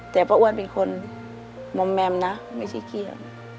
แต่ป้าอ้วนเป็นคนมอมแมมนะไม่ใช่เขี้ย